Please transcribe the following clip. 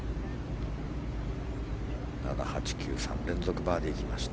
７、８、９３連続バーディーが来ました。